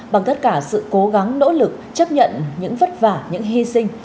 bằng tất cả sự cố gắng nỗ lực chấp nhận những vất vả những hy sinh